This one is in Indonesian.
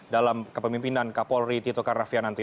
dalam kepemimpinan kapolri tito karnavian nanti